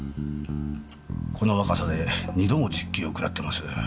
この若さで２度も実刑をくらってます。